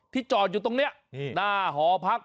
จอดอยู่ตรงนี้หน้าหอพัก